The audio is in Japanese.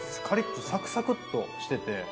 カリッとサクサクッとしてて。